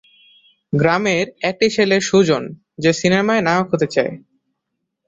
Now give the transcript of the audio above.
গ্রামের একটি ছেলে সুজন যে সিনেমায় নায়ক হতে চায়।